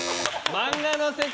漫画の世界。